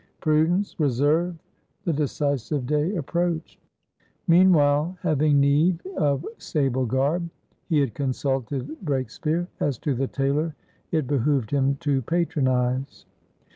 Prudence! Reserve! The decisive day approached. Meanwhile, having need of sable garb, he had consulted Breakspeare as to the tailor it behooved him to patronise.